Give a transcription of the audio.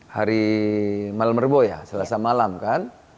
hari malam merboyah selasa malam kan